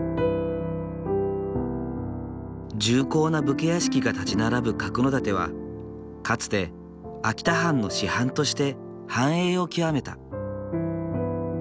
重厚な武家屋敷が建ち並ぶ角館はかつて秋田藩の支藩として繁栄を極めた。